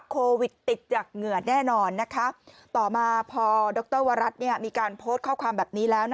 โควิดติดจากเหงื่อแน่นอนนะคะต่อมาพอดรวรัฐมีการโพสต์ข้อความแบบนี้แล้ว